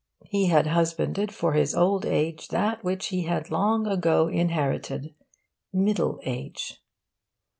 He had husbanded for his old age that which he had long ago inherited: middle age.